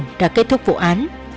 tưởng đã kết thúc vụ án